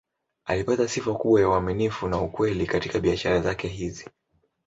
Alipata sifa kubwa ya uaminifu na ukweli katika biashara zake hizi.